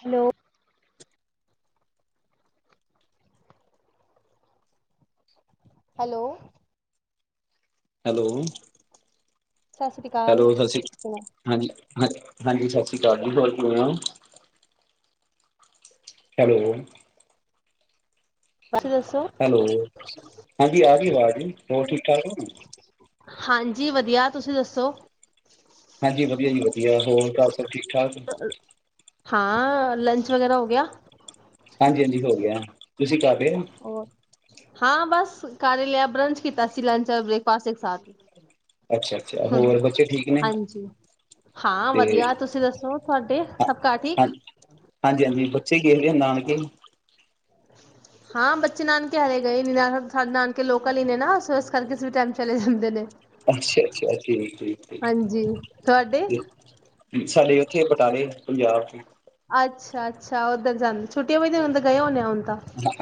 Hello, hello, hello, ਸਤਿ ਸ੍ਰੀ ਅਕਾਲ ਸਤਿ ਸ਼੍ਰੀ ਅਕਾਲ, ਹਾਂਜੀ ਸਤਿ ਸ਼੍ਰੀ ਅਕਾਲ ਜੀ ਹੋਰ ਕਿਵੇ ਔ? ਹੈਲੋ, ਦੱਸੋ ਹੈਲੋ, ਹਾਂਜੀ ਆ ਗਈ ਆਵਾਜ਼ ਨੀ ਆ ਰਹੀ ਹੋਰ ਠੀਕ ਠਾਕ ਹੋ ਨਾ? ਹਾਂਜੀ ਵਧੀਆ, ਤੁਸੀਂ ਦੱਸੋ? ਹਾਂਜੀ ਵਧੀਆ ਜੀ ਵਧੀਆ ਹੋਰ ਠੀਕ ਠਾਕ ਹੈ, ਹਾਂ ਲੰਚ ਵਗੈਰਾ ਹੋ ਗਿਆ। ਹਾਂਜੀ-ਹਾਂਜੀ ਹੋ ਗਿਆ। ਤੁਸੀਂ ਕਰ ਰਹੇ ਔ? ਹੋਰ ਹਾਂ ਬਸ ਕਰਲਿਆ ਬਰੰਚ ਕੀਤਾਸੁ ਲੰਚ ਬ੍ਰੇਕਫਾਸਟ ਏਕ ਸਾਥ ਅੱਛਾ-ਅੱਛਾ, ਹੋਰ ਬੱਚੇ ਠੀਕ ਨੇ ਹਾਂਜੀ ਹਾਂ ਤੇ ਵਧੀਆ ਤੁਸੀਂ ਦੱਸੋ ਤੁਹਾਡੇ ਹ ਸਭ ਘਰ ਠੀਕ ਹਾਂ ਹਾਂਜੀ ਹਾਂਜੀ ਬੱਚੇ ਗੇ ਗਏ ਨਾਨਕੇ, ਹਾਂ ਬੱਚੇ ਨਾਨਕੇ ਹਰੇ ਗਏ ਨੇ ਸਾਡੇ ਨਾਨਕੇ ਲੋਕਲ ਹੀ ਨੇ ਨਾ ਸ ਕਰਕੇ ਕਿਸੇ ਵੀ ਟਾਈਮ ਚਲੇ ਜਾਂਦੇ ਨੇ। ਅੱਛਾ-ਅੱਛਾ ਜੀ ਤੇ ਹਾਂਜੀ ਤੁਹਾਡੇ ਸਾਡੇ ਉੱਥੇ ਬਟਾਲੇ, ਪੰਜਾਬ ਚ, ਅੱਛਾ-ਅੱਛਾ, ਉੱਧਰ ਜਾਂਦੇ ਛੁੱਟੀਆਂ ਗਏ ਹੋਣੇ ਆ ਹ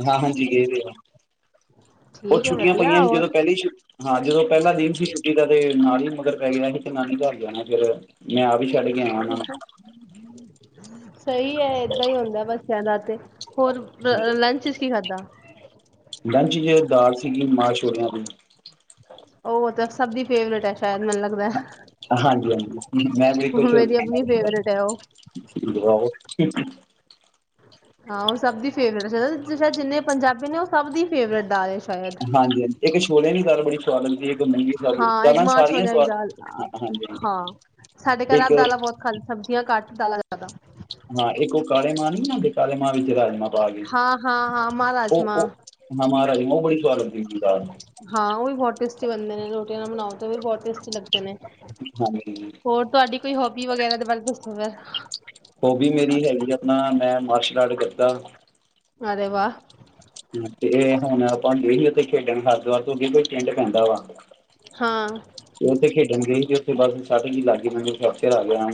ਹਾਂ ਹਾਂਜੀ ਗਏ ਹੋਏ ਆ, ਉਹ ਠੀਕ ਹੈ ਛੁੱਟੀਆਂ ਵਧੀਆ ਪਈਆਂ ਸੀ ਜਦੋਂ ਹੋਰ ਪਹਿਲੀ ਛੁੱ ਹਾਂ ਜਦੋਂ ਪਹਿਲਾ ਦਿਨ ਸੀ ਛੁੱਟੀ ਦਾ ਤੇ ਨਾਲ ਹੀ। ਮਗਰ ਪੇ ਗਏ ਕੀ ਨਾਨੀ ਘਰ ਜਾਣਾ ਫਿਰ, ਮੈਂ ਆਪ ਹੀ ਛੱਡ ਕੇ ਆਇਆ ਉਹਨਾ ਨੂੰ ਸਹੀ ਹੈ ਏਦਾਂ ਹੀ ਹੁੰਦਾ ਬੱਚਿਆਂ ਦਾ ਤੇ, ਹੋਰ ਨੂੰ ਲੰਚ ਚ ਕੀ ਖਾਧਾ? ਲੰਚ ਜ ਦਾਲ ਸੀਗੀ ਮਾਹ ਛੋਲੀਆ ਦੀ, ਉਹ ਤਾਂ ਸਭ ਦੀ ਫੇਵਰੇਟ ਹੈ ਸ਼ਾਇਦ ਮੈਨੂੰ ਲੱਗਦਾ। ਹਾਂਜੀ ਹਾਂਜੀ ਮੈਂ ਬਿਲਕੁਲ ਕੁੱਛ ਮੇਰੀ ਆਪਣੀ ਫੇਵਰੇਟ ਹੈ ਉਹ ਹਾਂ ਉਹ ਸਭ ਦੀ ਫੇਵਰੇਟ ਜਿੰਨੇ ਪੰਜਾਬੀ ਨੇ ਉਹ ਸਭ ਦੀ ਫੇਵਰੇਟ ਆ ਹਾਂਜੀ ਹਾਂਜੀ ਇੱਕ ਛੋ਼ਲਿਆ ਨ ਗੱਲ ਬੜੀ ਸਵਾਦ ਹੁੰਦੀ ਏ ਹਾਂ ਇੱਕ ਮਾਹ ਛੋਲਿਆ ਦੀ ਦਾਲਾਂ ਹਾਂ ਹਾਂਜੀ ਹਾਂਜੀ ਹਾਂ ਸਾਡੇ ਘਰ ਇੱਕ ਦਾਲਾਂ ਬਹੁਤ ਖਾਲ ਸਬਜ਼ੀਆਂ ਘੱਟ ਦਾਲ ਜਿਆਦਾ ਹਾਂ ਇੱਕ ਉਹ ਕਾਲੇ ਮਾਂਹ ਨੀ ਬਣਾਉਂਦੇ ਕਾਲੇ ਮਾਂਹ ਵਿੱਚ ਰਾਜਮਾਂ ਹਾਂ ਹਾਂ ਹਾਂ ਮਾਂ ਰਾਜਮਾਂ ਹਾਂ ਉਹ ਵੀ [unintelligible] ਬਹੁਤ ਟੇਸਟੀ ਬਣਦੇ ਨੇ ਰੋਟੀਆਂ ਨਾਲ ਬਣਾਓ ਤੇ ਵੀ ਬਹੁਤ ਟੇਸਟੀ ਲੱਗਦੇ ਨੇ ਹਾਂਜੀ ਹੋਰ ਤੁਹਾਡੀ ਕੋਈ ਹੋ [inaudible] ਹੋਬੀ ਮੇਰੀ ਹੈਗੀ ਆਪਣਾ ਮੈਂ ਮਾਰਸ਼ [inaudible] ਅਰੇ ਵਾਹ- ਹ ਤੇ ਹੁਣ ਆਪਾਂ ਹੀ ਉੱਥੇ ਖੇਡਣ ਹਰਿਦੁਆਰ ਤੋਂ ਅੱਗੇ ਕੋਈ ਪਿੰਡ ਪੈਂਦਾ ਵਾ ਹਾਂ ਇਹ ਤਾਂ ਖੇਡੰਗੇ ਬਸ ਸੱਟ ਜੀ ਲਾਗ ਗੀ ਮੈਨੂੰ ਘਰ ਆ ਗਿਆ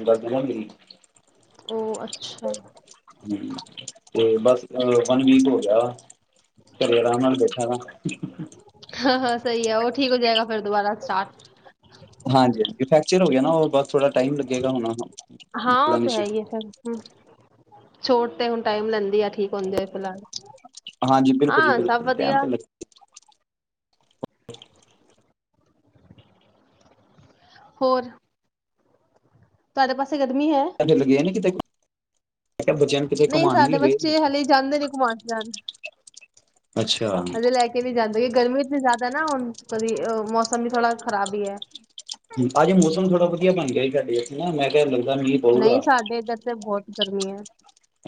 ਉਹ ਅੱਛਾ ਤੇ ਬਸ ਵਨ ਵੀਕ ਹੋ ਗਿਆ ਵ ਘਰੇ ਆਰਾਮ ਨਾਲ ਬੈਠਾ ਵਾ ਹਾਂ ਹਾਂ ਸਹੀ ਹੈ ਉਹ ਠੀਕ ਹੋ ਜਾਏਗਾ ਫਿਰ ਦੁਬਾਰਾ ਸਟਾਰਟ ਹਾਂਜੀ ਹਾਂਜੀ ਫਰੈਕਚਰ ਹੋ ਗਿਆ ਨਾ ਉਹ ਬ ਥੋੜਾ ਟਾਈਮ ਲੱਗੇਗਾ ਹੋਣਾ ਹਾਂ ਉਹ ਬੜਾ ਤੇ ਨਸ਼ ਹੈ ਹੀ ਹੈ ਫਿਰ ਹੂੰ। ਚੋਟ ਤੇ ਹੁਣ ਟਾਈਮ ਲੈਂਦੀ ਆ ਠੀਕ ਹੁੰਦੇ ਫਿਲਹਾਲ ਹਾਂਜੀ ਬਿਲਕੁਲ ਜੀ ਹਾਂ ਸਭ ਬਿਲਕੁਲ ਟਾਈਮ ਵਧੀਆ। ਤੇ ਲੱ ਹੋਰ ਤੁਹਾਦੇ ਪਾਸੇ ਗਰਮੀ ਹੈ? ਲੱਗੇ ਨੇ ਕਿਤੇ ਕਿਹਾ ਬੱਚਿਆਂ ਨੂੰ ਕਿਤੇ ਨਹੀਂ ਘੁਮਾਣ ਨੀ ਸਾਡੇ ਲਗੇ ਬੱਚੇ ਹਲੇੇ ਜਾਂਦੇ ਨ ਘੁਮਾਂਨ ਫਿਰਾਨ ਅੱਛਾ ਹਜੇ ਲੈ ਕੇ ਨਹੀਂ ਜਾਂਦੇ ਗਰਮੀ ਜਿਆਦਾ ਪਤਾ ਨਾ ਹੁਣ ਕਦੀ ਮੌਸਮ ਵੀ ਥੋੜਾ ਖ਼ਰਾਬ ਹੀ ਹੈ। ਅੱਜ ਮੌਸਮ ਥੋੜਾ ਵਧੀਆ ਬਣ ਗਿਆ ਜ ਸਾਡੇ ਨਾ ਮੈਂ ਕਹਿਣ ਲੱ ਨਹੀਂ ਸਾਡੇ ਇੱਧਰ ਤੇ ਬਹੁਤ ਗਰਮੀ ਹੈ।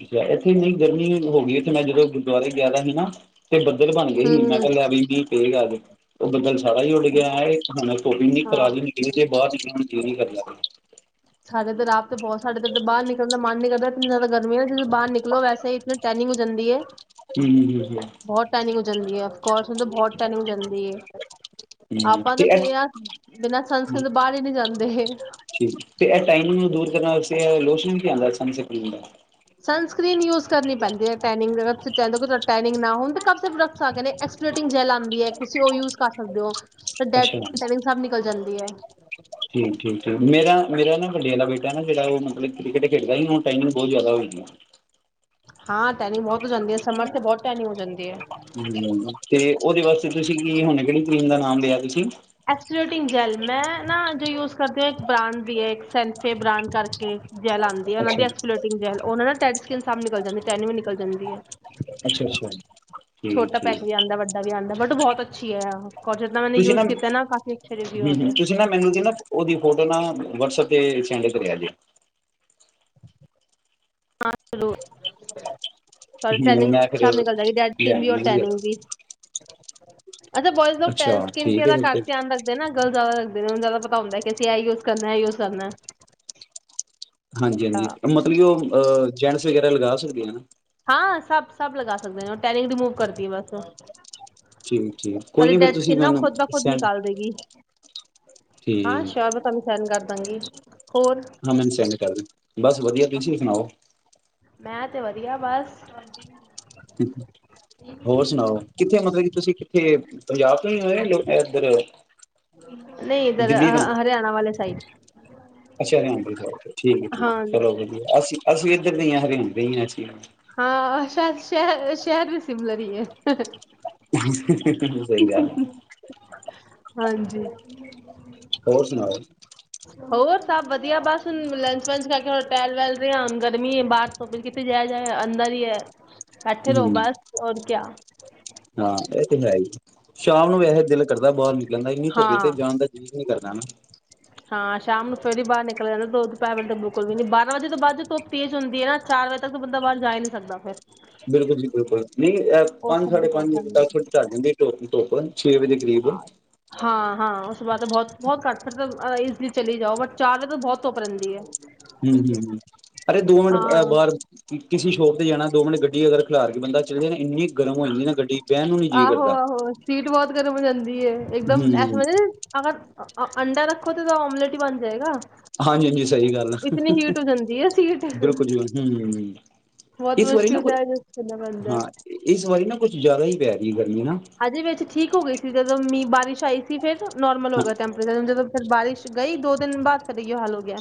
ਅੱਛਾ ਇੱਥੇ ਇੰਨੀ ਗਰਮੀ ਹੋ ਗਈ ਇਥੇ ਮੈਂ ਜਦੋਂ ਗੁਰਦੁਆਰੇ ਗਿਆ ਤਾਂ ਸੀ ਨਾ ਤੇ ਬੱਦਲ ਬਣ ਗਏ ਹੀ ਮੈਂ ਹੂੰ। ਕਿਹਾ ਲੈ ਵੀ ਮੀਂਹ ਆਗੇ ਉਹ ਬੱਦਲ ਸਾਰਾ ਹੀ ਉੱਡ ਗਿਆ ਧੁੱਪ ਈਨੀ ਹਾਂ। ਕਰਾਰੀ ਨਿਕਲੀ ਜੇ ਬਾਹਰ ਨਿਕਲਣ ਨੂੰ ਜੀ ਨਹੀਂ ਕਰਦਾ [inaudible] ਸਾਡੇ ਤਾਂ ਰਾਤ ਬਹੁਤ ਠੰਢ ਜਦੋਂ ਬਾਹਰ ਨਿਕਲਨ ਦਾ ਮਨ ਨੀ ਕਰਦਾ ਹੁਣ ਤਾਂ ਗਰਮੀ ਏ ਜਦੋਂ ਬਾਹਰ ਨਿਕਲੋ ਵੈਸੇ ਹੀ ਇਤੇ ਟੈਨਿੰਗ ਹੋ ਜਾਂਦੀ ਹੈ। ਹੂੰ ਹੂੰ ਹੂੰ ਬਹੁਤ ਟੈਨਿੰਗ ਹੋ ਜਾਂਦੀ ਅਫ਼ਕੋਸ ਉਦੋਂ ਬਹੁਤ ਟੈਨਿੰਗ ਜਾਂਦੀ ਏ। ਆਪਾਂ ਤੇ ਬਿਨਾਂ ਬਿਨਾਂ ਸੰਨਸਕ੍ਰੀਨ ਦੇ ਬਾਹਰ ਹੀ ਨਹੀਂ ਜਾਂਦੇ। ਠੀਕ ਤੇ ਇਹ ਟਾਈਨਿੰਗ ਨੂੰ ਦੂਰ ਕਰਨ ਵਾਸਤੇ ਲੋਸ਼ਨ ਵੀ ਆਦਾ ਸਨਸਕ੍ਰੀਨ ਦਾ। ਸਨਸਕ੍ਰੀਨ ਯੂਸ ਕਰਨੀ ਪੈਂਦੀ ਟੈਨਿੰਗ ਵੈਗੇਰਾ ਤੁਸੀ ਚਾਹੁੰਦੇ ਹੋ ਤੁਹਾਡੇ ਟੈਨਿੰਗ ਨਾ ਹੋਵੇ ਤਾਂ ਕਮ ਸੇ ਕਮ ਪ੍ਰੋਡਕਟ ਆ ਗਏ ਨੇ। ਐਕਸਪਲੋਟਿੰਗ ਜ਼ੈਲ ਆਦੀ ਐ ਤੁਸੀਂ ਓ ਯੂਸ ਕਰ ਸਕਦੇ ਓ ਓਦੇ ਅੱਛਾ ਨਾਲ ਟੈਨਿੰਗ ਸਬ ਨਿਕਲ ਜਾਂਦੀ ਏ। ਠੀਕ ਠੀਕ ਠੀਕ ਮੇਰਾ ਮੇਰਾ ਨਾ ਵੱਡੇ ਦਾ ਬੇਟਾ ਨਾ ਜਿਹੜਾ ਉਹ ਮਤਲਬ ਕ੍ਰਿਕਟ ਖੇਡਦਾ ਸੀ ਹੁਣ ਟਾਈਨਿੰਗ ਬਹੁਤ ਜਿਆਦਾ ਹੋਈ ਹੈ। ਹਾਂ ਟੈਨਿੰਗ ਬਹੁਤ ਹੋ ਜਾਂਦੀ ਹੈ ਸਮਰ ਤੇ ਬਹੁਤ ਟੈਨਿੰਗ ਹੋ ਜਾਂਦੀ ਹੈ। ਹੂੰ ਤੇ ਉਹਦੇ ਵਾਸਤੇ ਤੁਸੀਂ ਕੀ ਹੁਣ ਕਿਹੜੀ ਕਰੀਮ ਦਾ ਨਾਮ ਲਿਆ ਤੁਸੀਂ ਐਕਸ ਪਲੂਟੀ ਜੈਲ ਮੈਂ ਨਾ ਜੋ ਯੂਸ ਕਰਦੀ ਬਾਡ ਦੀ ਏ। ਸਨਸੇ ਬਾਡ ਕਰਕੇ ਜੈਲ ਆਦੀ ਆ ਓਨਾਂ ਦੀ ਅੱਛਾ ਐਕਸਪਲੂਟਿੰਗ ਜੈਲ [unintelligible] ਟੈਨਿੰਗ ਜਾਂਦੀ ਹੈ ਅੱਛਾ ਅੱਛਾ। ਠੀਕ ਛੋਟਾ ਠੀਕ ਪੈਕ ਵੀ ਆਦਾ ਵੱਡਾ ਵੀ ਆਂਦਾ। ਬਟ ਬਹੁਤ ਅੱਛੀ ਆ ਤੁਸੀਂ ਨਾ ਹੂੰ ਉਹਦੇ ਤੁਸੀਂ ਨਾ ਮੈਨੂੰ ਸੀ ਨਾ ਉਹਦੀ ਫੋਟੋ ਨਾ ਵਟਸਐਪ ਤੇ ਸੈਂਡ ਕਰਿਆ ਜੇ। ਹਾਂ ਜਰੂਰ ਹੂੰ ਟੈਨਿੰਗ ਮੈਂ ਫਿਰ ਸਭ ਨਿਕਲ ਜਾਏਗੀ ਡੈਡ ਸਕਿਨ ਲਿਆਣਾ ਵੀ ਔਰ ਮੈਂ ਨਾ ਟੈਨਿਗ ਵੀ ਅੱਛਾ ਬੋਇਏਜ਼ ਲੋਕ ਅੱਛਾ ਟੈਂਨਸ ਸਕਿਨ ਠੀਕ ਹੈ ਫਿਰ ਦਾ ਤੇ ਧਿਆਨ ਰੱਖਦੇ ਨਾ ਗਰਲ ਜ਼ਿਆਦਾ ਲੱਗਦੇ ਨੇ ਜ਼ਿਆਦਾ ਪਤਾ ਹੁੰਦਾ ਕਿ ਅਸੀਂ ਇਹ ਯੂਜ ਕਰਨਾ ਇਹ ਯੂਜ ਕਰਨਾ। ਹਾਂਜੀ ਹਾਂਜੀ ਮਤਲਬ ਕਿ ਉਹ ਅ ਜੈਂਟਸ ਵਗੈਰਾ ਲਗਾ ਸਕਦੇ ਹਨਾ। ਹਾਂ ਸਭ ਸਭ ਲਗਾ ਸਕਦੇ ਨੇ ਉਹ ਟੈਨਿੰਗ ਰੀਮੂਵ ਕਰਦੀ ਹੈ ਬਸ ਠੀਕ ਠੀਕ ਕੋਈ ਸਾਡੀ ਨੀ ਫੇਰ ਡੈਡ ਤੁਸੀਂ ਸਕਿਨ ਨਾ ਮੈਨੂੰ ਖੁਦ ਬ ਖੁਦ ਸੈਂਡ ਨਿਕਾਲ ਦੇਗੀ ਹਾਂ ਠੀਕ ਸ਼ੋਰ ਮੈਂ ਤੁਹਾਨੂੰ ਸੈਂਡ ਕਰ ਦੇਨੀ ਆ। ਹਾਂਜੀ। ਹਾਂ ਮੈਨੂੰ ਸੈਂਡ ਕਰ ਬਸ ਵਧੀਆ ਤੁਸੀਂ ਸੁਣਾਓ। ਮੈਂ ਤੇ ਵਧੀਆ ਬਸ ਹੋਰ ਸੁਣਾਓ ਕਿੱਥੇ ਮਤਲਬ ਕਿ ਤੁਸੀਂ ਪੰਜਾਬ ਤੋਂ ਹੀ ਹੋਏ ਇੱਧਰ ਨਹੀਂ ਇੱਧਰ ਹਰਿਆਣਾ ਵਾਲੇ ਸਾਈਡ ਅਛਾ ਹਰਿਆਣੇ ਵਾਲੀ ਸਾਈਡ ਤੇ। ਠੀਕ ਹੈ ਠੀਕ ਹੈ ਚਲੋ ਹਾਂਜੀ ਵਧੀਆ ਅਸੀਂ ਅਸੀਂ ਇੱਧਰ ਦੇ ਹੀ ਹਰਿਆਣੇ ਦੇ ਹੀ ਹਾਂ ਅਸੀ। ਹਾਂ ਸ਼ਯਦ ਸ਼ਹਿਰ ਸ਼ਹਿਰ ਵੀ ਸਿਮਲਰ ਹੀ ਹੈ। ਸਹੀ ਗੱਲ ਹੈ। ਹਾਂਜੀ। ਹੋਰ ਸੁਣਾਓ ਹੋਰ ਸਭ ਵਧੀਆ ਬਸ ਹੁਣ ਲੰਚ ਵੰਚ ਕਰਕੇ ਹ ਟਹਿਲ ਵੈਲ ਰਿਹੇ ਹੁਣ ਗਰਮੀ ਹੈ ਬਾਹਰ ਸ ਫ ਕਿਥੇ ਜਾਯਾ ਜਾਇ ਅੰਦਰ ਹੀ ਹੈ ਬੈਠੇ ਰਹੋ ਹੂੰ ਬਸ ਹੋਰ ਕਿਆ ਹਾਂ ਇਹ ਤੇ ਹੈ ਹੀ ਸ਼ਾਮ ਨੂੰ ਵੈਸੇ ਦਿਲ ਕਰਦਾ ਬਾਹਰ ਲ ਕਹਿੰਦਾ ਇੰਨੀ ਧੋਪ ਇਚ ਤੇ ਹਾਂ ਜਾਣ ਦਾ ਜੀ ਨੀ ਕਰਦਾ [inaudible] [inaudible] ਹਾਂ ਸ਼ਾਮ ਨੂੰ ਫਿਰ ਈ ਬਾਹਰ ਨਿਕਲ ਜਾਂਦਾ ਦੋੱ ਦੈ ਵਜੇ ਤ ਬਿਲਕੁਲ ਵੀ ਨਹੀਂ ਬਾਂ ਵਜੇ ਤੋਂ ਬਾਅਦ ਧੁੱਪ ਤੇਜ਼ ਹੁਂਦੀ ਹੈ ਨਾ ਚਾਰ ਵਜੇ ਤੱਕ ਤਾਂ ਬੰਦਾ ਬਾਹਰ ਜਾ ਹੀ ਨਹੀਂ ਸਕਦਾ ਫਿਰ ਬਿਲਕੁਲ ਜੀ ਬਿਲਕੁਲ ਨਹੀਂ ਉਸ ਪੰਜ ਸਾਡੇ ਪੰਜ ਤਕ ਢਲ ਜਾਂਦੀ ਏ ਧੁਪ [inaudible] [inaudible] ਛੇ ਵਜੇ ਕਰੀਬ ਹਾਂ ਹਾਂ ਬਾਅ ਤਾਂ ਬਹੁਤ ਬਹੁਤ ਘੱਟ ਮਤਲਬ ਈਜ਼ਲੀ ਚਲੀ ਜਾਓ ਬਟ ਚਾਰ ਵਜੇ ਤਾਂ ਬਹੁਤ ਧੁਪ ਰਹਿੰਦੀ ਹੈ ਹਮ ਹਮ ਅਰੇ ਦੋ ਹਾਂ ਮਿੰਟਬਾਹਰ ਕਿਸੇ ਭੋਗ ਤੇ ਜਾਣਾ ਦੋ ਮਿੰਟ ਗੱਡੀ ਅਗਰ ਫਿਲਾਰ ਕੇ ਬੰਦਾ ਚਲੇ ਨਾ ਇੰਨੀ ਗਰਮ ਹੋ ਜਾਂਈ ਨਾ ਗੱਡੀ ਬਹਿਣ ਨੂੰ ਨੀ ਜੀਅ ਕਰਦਾ ਆਹੋ-ਆਹੋ ਸੀਟ ਬਹੁਤ ਕਰ ਬ ਜਾਂਦ ਇੱਕਦਮ ਹੂੰ ਐਸਾ ਲਗਦਾ ਜ ਅਗਰ ਅੰਡਾ ਰੱਖੋ ਤੇ ਉਹ ਓਮਲੇਟ ਹੀ ਬਣ ਜਾਏਗਾ ਹਾਂਜੀ-ਹਾਂਜੀ ਸਹੀ ਗੱਲ ਆ ਬਿਲਕੁਲ ਜੀ ਬਿਲਕੁਲ ਹਮ ਇਸ ਵਾਰੀ ਨਾ ਕੁਛ, ਹਾਂ ਇਸ ਵਾਰੀ ਨਾ ਕੁਛ ਜ਼ਿਆਦਾ ਹੀ ਪਿਆ [unintelligible] [unintelligible] ਹਜੇ ਵਿੱਚ ਠੀਕ ਹੋ ਗਈ ਸੀ ਜਦੋਂ ਮੀਂਹ ਬਾਰਿਸ਼ ਆਈ ਸੀ ਫੇਰ ਨੋਰਲ ਗਿਆ ਟੈਂਪਰੇਚਰ ਜਦੋਂ ਫਿਰ ਬਾਰਿਸ਼ ਗਈ ਦੋ ਦਿਨ ਬਾਅਦ ਤਦੇ ਏ ਹਾਲ ਹੋ ਗਿਆ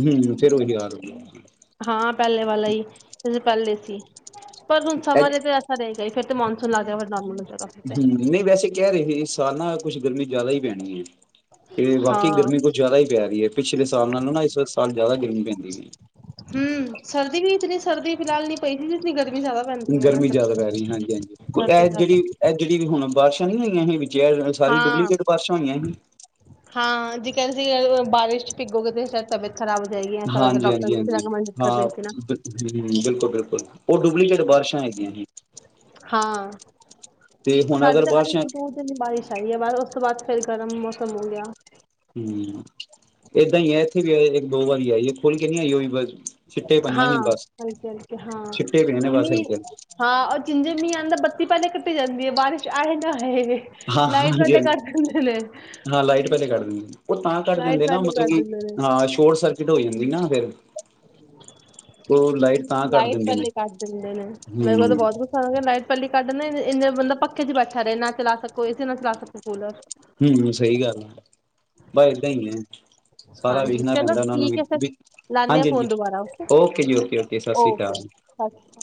ਹਮ ਫੇਰ ਉਹੀ ਆਰ ਹਾਂ ਪਹਿਲੇ ਵਾਲਾ ਹੀ [inaudible] ਪੈਹਲੇ ਸੀ ਪਰ ਹੁਣ ਸਮਾਂ ਦੇ ਤੇ ਅਸਰ ਰਹੇਗਾ ਇ ਫਿਰ [inaudible] ਹਮ ਨਹੀ ਵੈਸੇ ਕਹਿ ਰਹੇ ਸੀ ਸਾਲ ਨਾ ਕੁਛ ਗਰਮੀ ਜ਼ਿਆਦਾ ਹੀ ਪੈਣੀ ਹੈ ਤੇ ਬਾਕੀ ਗਰਮੀ ਕੁਛ ਜ਼ਿਆਦਾ ਹੀ ਪੈ ਰਹੀ ਹੈ ਪਿਛਲੇ ਸਾਲ ਨਾਲੋ ਨਾ ਇਸ ਵ ਸਾਲ ਜ਼ਿਆਦਾ ਗਰਮੀ ਪੈਂਦੀ ਹੈ ਸਰਦੀ ਵੀ ਇਤਨੀ ਸਰਦੀ ਫਿਲਹਾਲ ਨਹੀਂ ਪਈ ਸੀ ਜਿੰਨੀ ਗਰਮੀ ਗਰਮੀ ਜ਼ਿਆਦਾ ਪੈ ਰਹੀ ਹਾਂਜੀ ਹਾਂਜੀ ਹੱਦ ਤੇ ਇਹ ਜ਼ਿਆਦਾ ਜਿਹੜੀ ਇਹ ਜਿਹੜੀ ਵੀ ਹੁਣ ਬਾਰਸ਼ਾਂ ਨੀ ਹੋਈਆਂ ਇਹ ਜ ਸਾਰੀ ਹਾਂ ਡੁਪਲੀਕੇਟ ਬਾਰਿਸ਼ਾਂ ਹੋਈਆਂ ਸੀ ਹਾਂ ਜੇ ਕਹਿੰਦੇ ਏ ਬਾਰਿਸ਼ ਪਿੱਗੋਗੇ ਤੇਾ ਤਬੀਅਤ ਖਰਾਬ ਹੋ ਜਾਏਗੀ ਐਸਾ ਕਰਕੇ ਹਾਂਜੀ ਡਾਕਟਰ ਹਾਂਜੀ ਵੀ ਕੁਛ ਹਾਂਜੀ ਕਰ ਰਹੇ ਹਾਂ ਸੀ ਨਾ ਬਿਲਕੁਲ ਬਿਲਕੁਲ ਉਹ ਡੁਪਲੀਕੇਟ ਬਾਰਿਸ਼ਾਂ ਹੈਗੀਆਂ ਸੀ ਹਾਂ ਤੇ ਹੁਣ ਸਾਡੇ ਅਗਰ ਤਾਂ ਹਾਲੀ ਬਾਰਿਸ਼ਾਂ ਦੋ ਦਿਨ ਬਾਰਿਸ਼ ਆਈ ਹੈ ਬਾਹਦ ਉਸ ਤੋਂ ਬਾਅਦ ਫੇਰ ਗਰਮ ਮੌਸਮ ਹੋ ਗਿਆ ਹਮ ਏਦਾਂ ਹੀ ਹੈ ਇੱਥੇ ਵੀ ਇੱਕ ਦੋ ਵਾਰੀ ਆ ਖੋਲ ਕੇ ਨੀ ਆਈ ਵੀ ਹਾਂ ਹਲਕੇ ਹਲਕੇ ਹਾਂ ਛਿੱਟੇ ਪਏ ਨੇ ਬਸ ਮੰਮੀ ਹਲਕੇ ਹਾਂ ਉਹ ਚਿੰਜੇ ਮ ਦਾ ਬੱਤੀ ਪਹਿਲੇ ਕੱਟੀ ਜਾਂਦੀ ਹੈ ਬਾਰਸ਼ ਨਾ ਨ ਹਾਂ ਹਾਂਜੀ ਹਾਂਜੀ ਨ [inaudible] ਹਾਂ ਲਾਈਟ ਪਹਿਲੇ ਕੱਟ ਦਿੰਦੇ ਉਹ ਤਾਂ ਕੱਟ ਦਿੰਦੇ ਨਾ ਮਤਲਬ ਕਿ ਹਾਂ ਸ਼ੋਰਟ ਸਰਕਿਟ ਹੋ ਜਾਂਦੀ ਨਾ ਫਿਰ ਉਹ ਲਾਈਟ ਤਾਂ ਕੱਟ ਲਾਈਟ ਦਿੰਦੇ ਨੇ ਪਹਿਲੇ ਕੱਟ ਦਿੰਦੇ ਨੇ ਮੇਰੇ ਕੋਲ ਤਾਂ ਹੂੰ ਬਹੁਤ ਕੱਢਣੇ ਇੰਨੇ ਬੰਦਾ ਪੱਖੇ ਚ ਬੈਠਾ ਰਹੇ ਨਾ ਚਲਾ ਸਕੋ ਇਸੇ ਨਾ ਚਲਾ ਸਕੋ ਕੂਲਰ ਹਮ ਸਹੀ ਗੱਲ ਹੈ ਬ ਏਦਾਂ ਹੀ ਹੈ ਸਾਰਾ ਹਾਂਜੀ ਵੇਖਣਾ ਚਲੋ ਪੈਂਦਾ ਉਹਨਾ ਨੂੰ ਠੀਕ ਹੈ ਫਿਰ ਵੀ ਲਾਉਂਦੇ ਹਾਂ ਹਾਂਜੀ ਹਾਂਜੀ ਫੋਨ ਦੁਬਾਰਾ ਓਕੇ ਜੀ ਓਕੇ ਓਕੇ ਸਤਿ ਸ੍ਰੀ ਅਕਾਲ ਸਤਿ ਸ਼੍ਰੀ ਅਕਾਲ